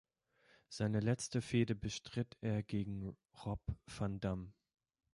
Seine letzte Fehde bestritt er gegen Rob van Dam.